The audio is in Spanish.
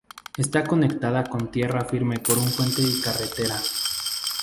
Está conectada con tierra firme por un puente y carretera.